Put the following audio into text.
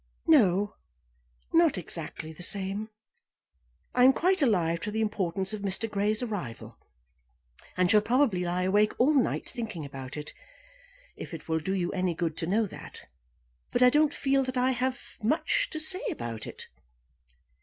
"No; not exactly the same. I am quite alive to the importance of Mr. Grey's arrival, and shall probably lie awake all night thinking about it, if it will do you any good to know that; but I don't feel that I have much to say about it."